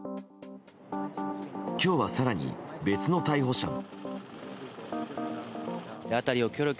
今日は更に別の逮捕者も。